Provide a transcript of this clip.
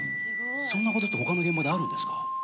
そんなことって、ほかの現場であるんですか。